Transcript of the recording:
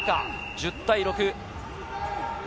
１０対６。